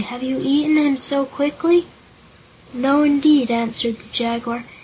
Have you eaten him so quickly?" "No, indeed," answered the Jaguar.